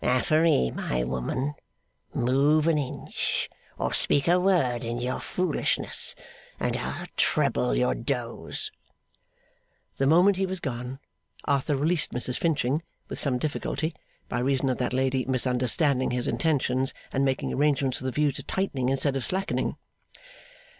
Affery, my woman, move an inch, or speak a word in your foolishness, and I'll treble your dose!' The moment he was gone, Arthur released Mrs Finching: with some difficulty, by reason of that lady misunderstanding his intentions, and making arrangements with a view to tightening instead of slackening.